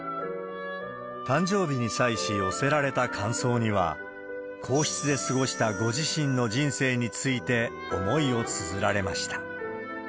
誕生日に際し寄せられた感想には、皇室で過ごしたご自身の人生について、思いをつづられました。